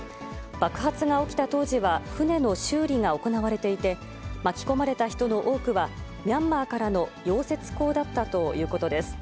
爆発が起きた当時は、船の修理が行われていて、巻き込まれた人の多くは、ミャンマーからの溶接工だったということです。